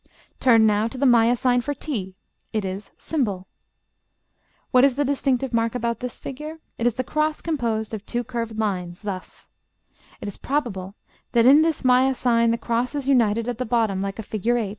Turn now to the Maya sign for t: it is ###,. What is the distinctive mark about this figure? It is the cross composed of two curved lines, thus, ###. It is probable that in the Maya sign the cross is united at the bottom, like a figure 8.